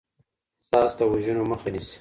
قصاص د وژنو مخه نیسي.